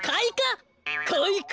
かいか！